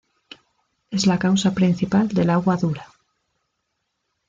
Es la causa principal del agua dura.